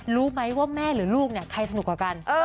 รู้ไหมว่าแม่หรือลูกใครสุดกว่ากัน